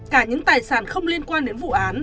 cả những tài sản không liên quan đến vụ án